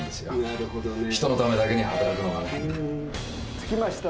着きました。